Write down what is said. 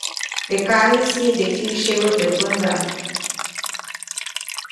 Teʼ kaʼŋis jiʼnde kyäʼsyebä teʼ pändaʼm.